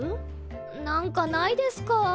なんかないですか？